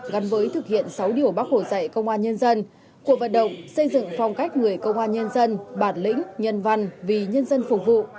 gắn với thực hiện sáu điều bác hồ dạy công an nhân dân cuộc vận động xây dựng phong cách người công an nhân dân bản lĩnh nhân văn vì nhân dân phục vụ